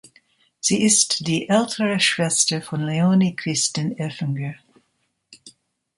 Sie ist die ältere Schwester von Leoni Kristin Oeffinger.